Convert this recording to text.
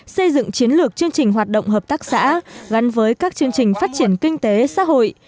xây dựng chiến lược chương trình hoạt động hợp tác xã gắn với các chương trình phát triển kinh tế xã hội